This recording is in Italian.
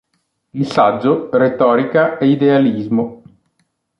Il saggio "Retorica e idealismo.